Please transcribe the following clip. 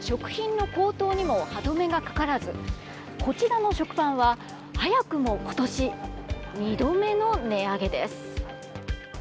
食品の高騰にも歯止めがかからずこちらの食パンは早くも今年２度目の値上げです。